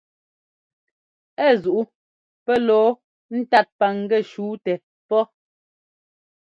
Ɛ zuʼu pɛ́ lɔɔ ńtat paŋgɛ́ shǔtɛ pɔ́.